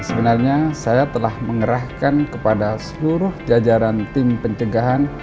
sebenarnya saya telah mengerahkan kepada seluruh jajaran tim pencegahan